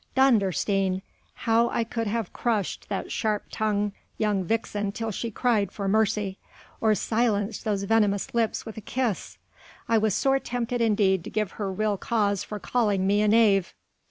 Dondersteen! how I could have crushed that sharp tongued young vixen till she cried for mercy ... or silenced those venomous lips with a kiss!... I was sore tempted indeed to give her real cause for calling me a knave...."